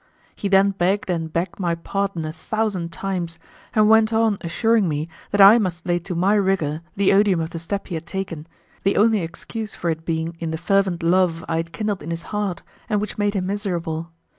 He then begged and begged my pardon a thousand times, and went on assuring me that I must lay to my rigour the odium of the step he had taken, the only excuse for it being in the fervent love I had kindled in his heart, and which made him miserable.